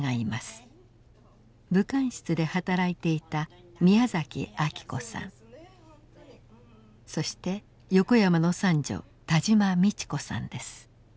武官室で働いていたそして横山の三女田島廸子さんです。